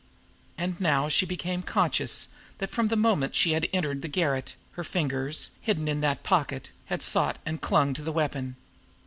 And now she became conscious that from the moment she had entered the garret, her fingers, hidden in that pocket, had sought and clung to the weapon.